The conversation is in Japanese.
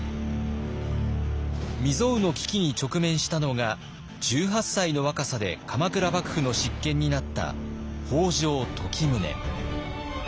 未曽有の危機に直面したのが１８歳の若さで鎌倉幕府の執権になった北条時宗。